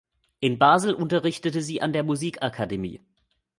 In Basel unterrichtete sie an der Musikakademie.